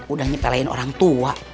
udah nyipelain orang tua